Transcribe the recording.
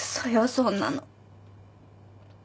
そんなの。